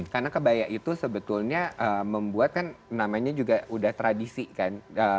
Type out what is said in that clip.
karena kebaya itu sebetulnya membuat kan namanya juga udah tradisi kan